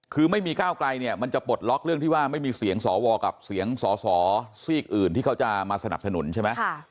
คือไม่มีก้าวไกลเนี่ยมันจะปลดล็อกเรื่องที่ว่าไม่มีเสียงสวกับเสียงสอสอซีกอื่นที่เขาจะมาสนับสนุนใช่ไหม